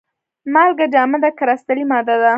مالګه جامده کرستلي ماده ده.